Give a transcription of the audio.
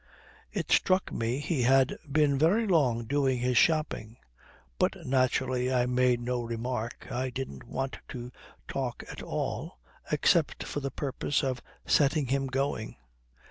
It struck me he had been very long doing his shopping; but naturally I made no remark. I didn't want to talk at all except for the purpose of setting him going."